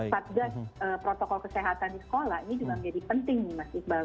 satgas protokol kesehatan di sekolah ini juga menjadi penting nih mas iqbal